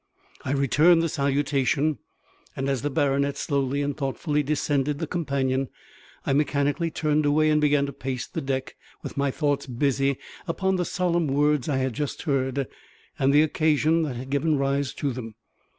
I returned the salutation; and, as the baronet slowly and thoughtfully descended the companion, I mechanically turned away and began to pace the deck, with my thoughts busy upon the solemn words I had just heard, and the occasion that had given rise to them.